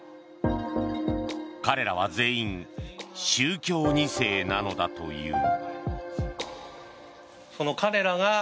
彼らは全員宗教２世なのだという。